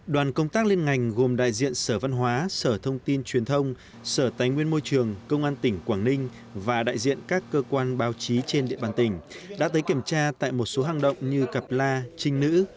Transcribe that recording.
đoàn công tác liên ngành gồm đại diện sở văn hóa sở thông tin truyền thông sở tài nguyên môi trường công an tỉnh quảng ninh và đại diện các cơ quan báo chí trên địa bàn tỉnh đã tới kiểm tra tại một số hang động như cặp la trinh nữ